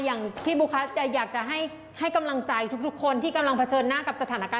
อยากบอกทุกคนได้อยากให้กำลังใจเขายังไงบ้างค่ะ